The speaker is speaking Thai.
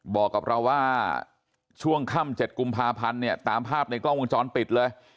บอกกับเราว่าช่วงค่ำ๗กุมภาพันธ์เนี่ยตามภาพในกล้องวงจรปิดเลย